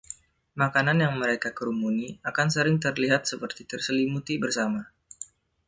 Makanan yang mereka kerumuni akan sering terlihat seperti terselimuti bersama.